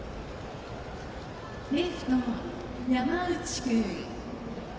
レフト、山内君。